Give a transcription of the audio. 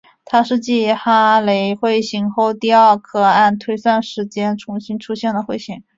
它是继哈雷彗星后第二颗按推算时间重新出现的彗星。